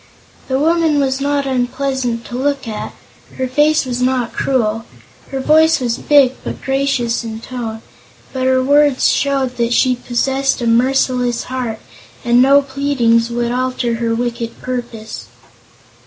The woman was not unpleasant to look at; her face was not cruel; her voice was big but gracious in tone; but her words showed that she possessed a merciless heart and no pleadings would alter her wicked purpose.